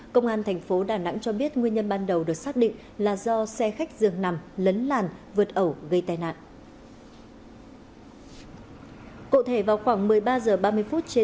công an thành phố đà nẵng cho biết nguyên nhân ban đầu được xác định là do xe khách dường nằm